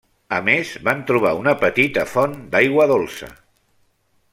A més van trobar una petita font d'aigua dolça.